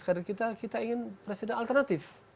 kader kita kita ingin presiden alternatif